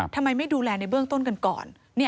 ทำไมไม่ดูแลในเบื้องต้นกันก่อน